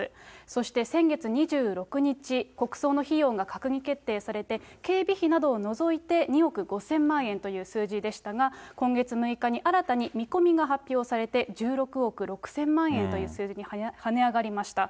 そして、先月２６日、国葬の費用が閣議決定されて、警備費などを除いて２億５０００万円という数字でしたが、今月６日に新たに見込みが発表されて、１６億６０００万円という数字にはね上がりました。